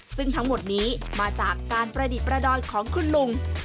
ซึ่งทั้งหมดนี้มาจากการประดิษฐ์ประดอยของคุณลุง